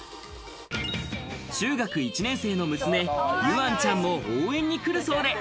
中学１年生の娘、桜音ちゃんも応援に来るそうで。